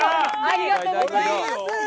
ありがとうございます！